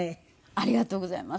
ありがとうございます。